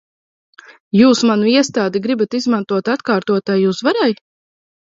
Jūs manu iestādi gribat izmantot atkārtotai uzvarai?